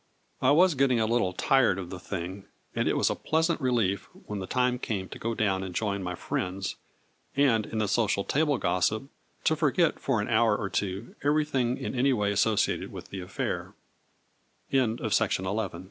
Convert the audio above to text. I was getting a little tired of the thing, and it was a pleasant relief when the time came to go down and join my friends, and in the social table gossip to forget for an hour or two every thing in any way associated wi